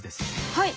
はい。